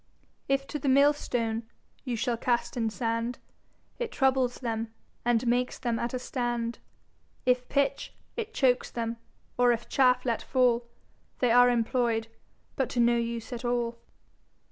If to the Mill stone you shall cast in Sand, It troubles them, and makes them at a stand; If Pitch, it chokes them; or if Chaffe let fall, They are employ'd, but to no use at all.